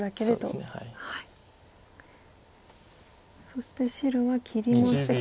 そして白は切りました。